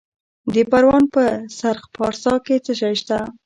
د پروان په سرخ پارسا کې څه شی شته؟